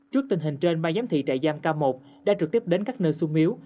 trước tình hình trên ba giám thị trại giam k một đã trực tiếp đến các nơi sung yếu